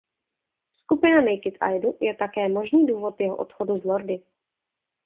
Skupina Naked Idol je také možný důvod jeho odchodu z Lordi.